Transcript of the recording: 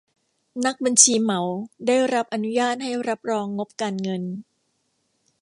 นักบัญชีเหมาได้รับอนุญาตให้รับรองงบการเงิน